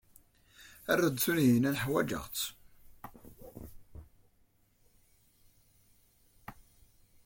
Err-d Tunhinan, ḥwajeɣ-tt.